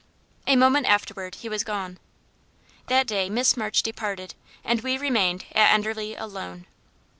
A moment afterward, he was gone. That day Miss March departed, and we remained at Enderley alone.